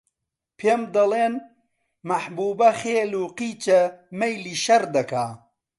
پێم دەڵێن: مەحبووبە خێل و قیچە، مەیلی شەڕ دەکا